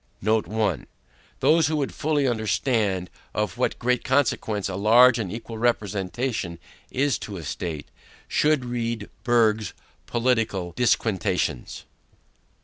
Note 1 Those who would fully understand of what great consequence a large and equal representation is to a state, should read Burgh's political Disquisitions.